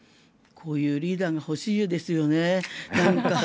こういうリーダーが欲しいですよね。